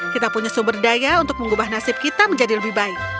kita punya sumber daya untuk mengubah nasib kita menjadi lebih baik